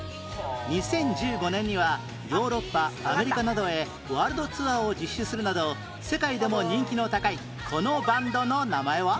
２０１５年にはヨーロッパアメリカなどへワールドツアーを実施するなど世界でも人気の高いこのバンドの名前は？